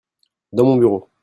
dans mon bureau.